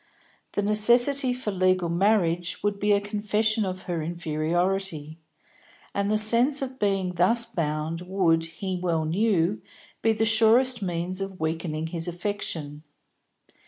The necessity for legal marriage would be a confession of her inferiority, and the sense of being thus bound would, he well knew, be the surest means of weakening his affection.